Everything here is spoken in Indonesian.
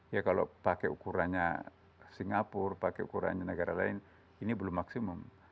ya kalau pakai ukurannya singapura pakai ukurannya negara lain ini belum maksimum